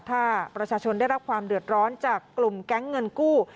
ถ้าประชาชนได้รับความเดือดร้อนจากกลุ่มแก๊งเงินกู้